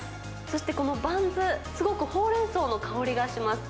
そしてこのバンズ、すごくホウレンソウの香りがします。